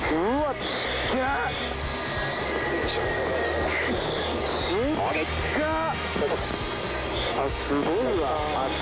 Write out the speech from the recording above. あっすごいわ。